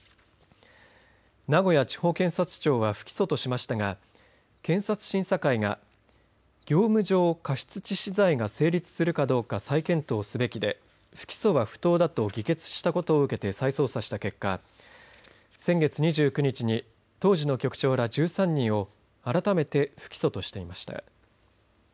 名古屋地方検察庁は不起訴としましたが検察審査会が業務上過失致死罪が成立するかどうか再検討すべきで不起訴は不当だと議決したことを受けて再捜査した結果先月２９日に当時の局長ら１３人をあらためて不起訴としていました。